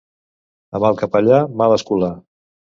A mal capellà, mal escolà.